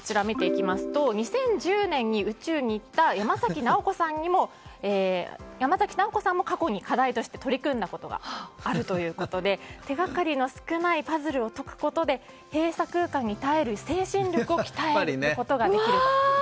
２０１０年に宇宙に行った山崎直子さんも過去に課題として取り組んだことがあるということで手がかりの少ないパズルを解くことで閉鎖空間に耐える精神力を鍛えることができると。